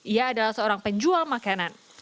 ia adalah seorang penjual makanan